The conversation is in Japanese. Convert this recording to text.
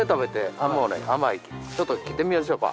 ちょっと切ってみましょうか。